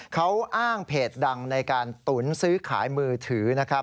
เขาอ้างเพจดังในการตุ๋นซื้อขายมือถือนะครับ